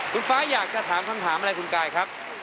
คุณฟ้าอยากจะถามคำถามอะไรคุณกายครับ